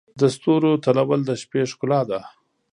د ستورو تلؤل د شپې ښکلا ده.